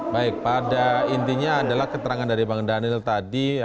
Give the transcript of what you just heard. baik pada intinya adalah keterangan dari bang daniel tadi